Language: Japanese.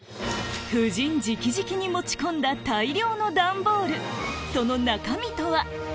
夫人直々に持ち込んだ大量の段ボールその中身とは？